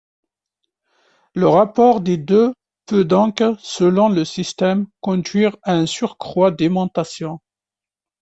Le rapport des deux peut donc, selon le système, conduire à un surcroit d'aimantation.